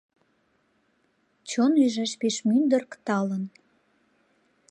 «Чон ӱжеш пеш мӱндырк талын...»